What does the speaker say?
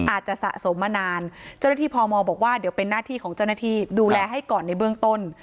สะสมมานานเจ้าหน้าที่พมบอกว่าเดี๋ยวเป็นหน้าที่ของเจ้าหน้าที่ดูแลให้ก่อนในเบื้องต้น